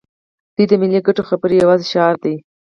دوی د ملي ګټو خبرې یوازې شعار دي.